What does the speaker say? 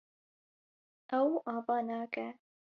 Ew ava nake.